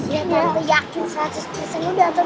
ya tante yakin prancis prinsen udah dateng